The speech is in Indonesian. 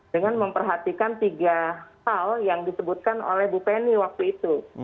dengan memperhatikan tiga hal yang disebutkan oleh bu penny waktu itu